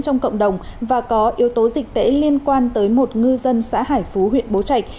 trong cộng đồng và có yếu tố dịch tễ liên quan tới một ngư dân xã hải phú huyện bố trạch